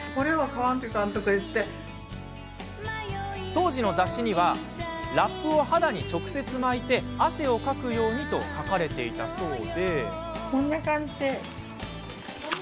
当時の雑誌にはラップを肌に直接巻いて汗をかくようにと書かれていたそうで。